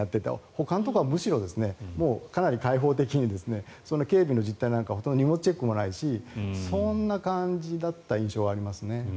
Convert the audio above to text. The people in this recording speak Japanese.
ほかのところは、むしろかなり開放的に警備の実態なんかは荷物チェックもないしそんな感じだった印象がありますね。